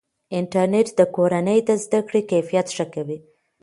انټرنیټ د کورنۍ د زده کړې کیفیت ښه کوي.